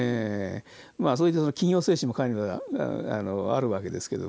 そういった起業精神も彼にはあるわけですけど。